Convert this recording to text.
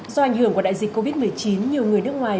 do ảnh hưởng của đại dịch covid một mươi chín nhiều người nước ngoài